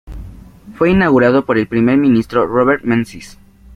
Fue inaugurado por el primer ministro Robert Menzies.